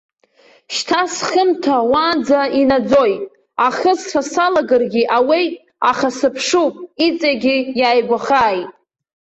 Шьҭа схымҭа уаанӡа инаӡоит, ахысра салагаргьы ауеит, аха сыԥшуп иҵегьы иааигәахааит.